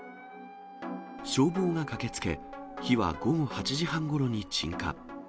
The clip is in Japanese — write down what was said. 消防が駆けつけ、火は午後８時半ごろに鎮火。